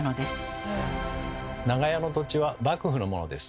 長屋の土地は幕府のものです。